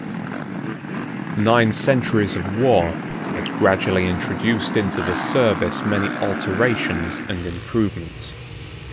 ] Nine centuries of war had gradually introduced into the service many alterations and improvements.